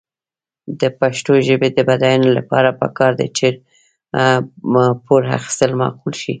د پښتو ژبې د بډاینې لپاره پکار ده چې پور اخیستل معقول شي.